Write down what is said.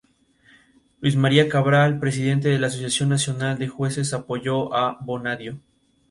Luis María Cabral, presidente de la Asociación Nacional de Jueces, apoyó a Bonadío.